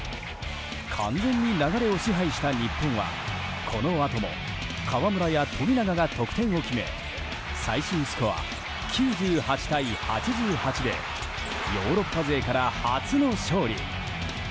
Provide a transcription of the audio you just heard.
完全に流れを支配した日本はこのあとも河村や富永が得点を決め最終スコア９８対８８でヨーロッパ勢から初の勝利。